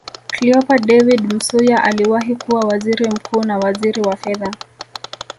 Cleopa David Msuya aliwahi kuwa Waziri mkuu na waziri wa Fedha